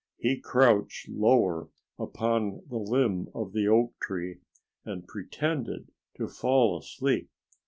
He crouched lower upon the limb of the oak tree and pretended to fall asleep.